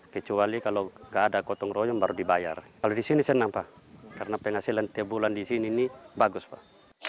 kalau di sini saya nampak karena penghasilan tiap bulan di sini ini bagus pak